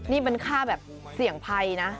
นี่เป็นค่าแบบเสี่ยงภัยนะ